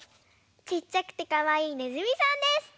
ちっちゃくてかわいいねずみさんです！